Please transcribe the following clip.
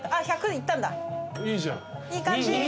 いい感じ。